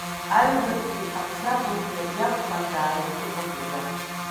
Аҩбатәи абзагәырҩа иакәханы даарымпыҵахеит Лаша.